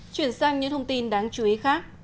chuyển sang những thông tin đáng chú ý khác